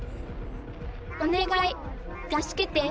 おねがいたすけて。